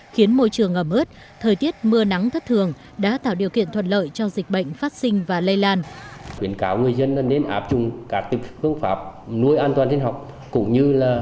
khiến môi trường ngầm ớt thời tiết mưa nắng thất thường đã tạo điều kiện thuận lợi cho dịch bệnh phát sinh và lây lan